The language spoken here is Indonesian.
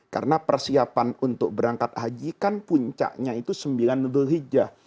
karena persiapan untuk berangkat haji kan puncaknya itu sembilan bul hijah